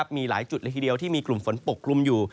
มีหลายจุดละทีเดียวที่มีกลุ่มฝนปกคลุมอยู่